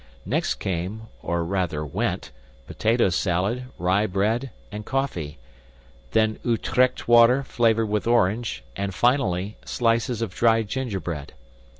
Next came, or rather went, potato salad, rye bread, and coffee then Utrecht water flavored with orange, and, finally, slices of dry gingerbread.